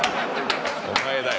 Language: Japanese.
お前だよ。